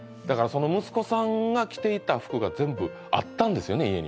だからその息子さんが着ていた服が全部あったんですよね